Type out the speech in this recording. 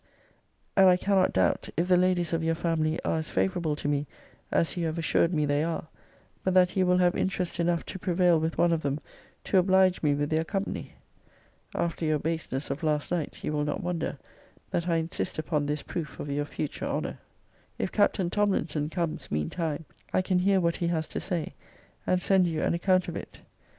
's; and I cannot doubt, if the ladies of your family are as favourable to me, as you have assured me they are, but that you will have interest enough to prevail with one of them to oblige me with their company. After your baseness of last night, you will not wonder, that I insist upon this proof of your future honour. If Captain Tomlinson comes mean time, I can hear what he has to say, and send you an account of it.